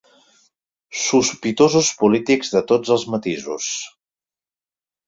Sospitosos polítics de tots els matisos